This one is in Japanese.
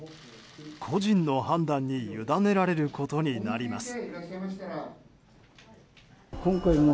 個人の判断に委ねられることになります。